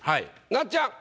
なっちゃん！